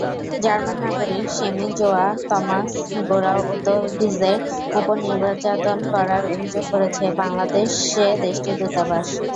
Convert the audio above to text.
German নাগরিক শেমিজওয়া Tomas গোরাওতোভিজের ওপর নির্যাতন করার অভিযোগ করেছে বাংলাদেশে দেশটির দূতাবাস।